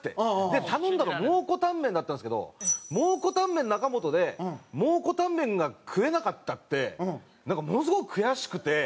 で頼んだの蒙古タンメンだったんですけど蒙古タンメン中本で蒙古タンメンが食えなかったってなんかものすごく悔しくて。